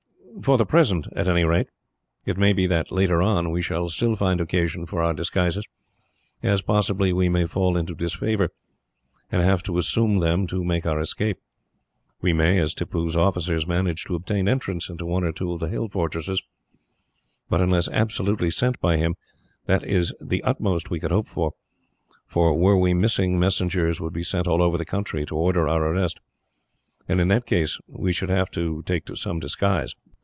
"For the present, at any rate. It may be that, later on, we shall still find occasion for our disguises, as possibly we may fall into disfavour, and have to assume them to make our escape. We may, as Tippoo's officers, manage to obtain entrance into one or two of the hill fortresses, but unless absolutely sent by him, that is the utmost we could hope for; for were we missing, messengers would be sent all over the country to order our arrest, and in that case we should have to take to some disguise.